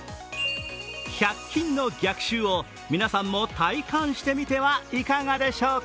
１００均の逆襲を皆さんも体感してみてはいかがでしょうか。